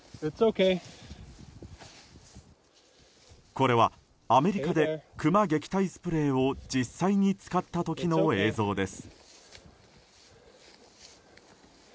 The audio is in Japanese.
これはアメリカでクマ撃退スプレーを実際に使った時の映像です。